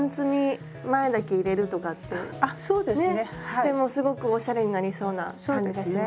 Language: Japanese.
してもすごくおしゃれになりそうな感じがします。